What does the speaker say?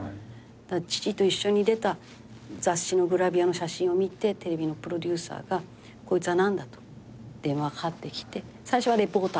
父と一緒に出た雑誌のグラビアの写真を見てテレビのプロデューサーが「こいつは何だ」と電話がかかってきて最初はリポーター。